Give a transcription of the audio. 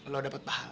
lo dapet pahala